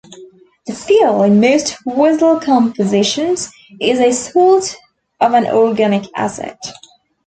The fuel in most whistle compositions is a salt of an organic acid.